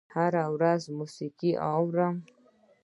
هره ورځ موسیقي اورم